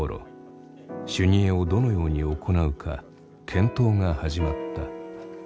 修二会をどのように行うか検討が始まった。